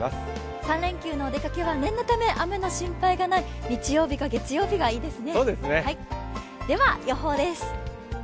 ３連休のお出かけは、念のため雨の心配がない、日曜日か月曜日がいいですね。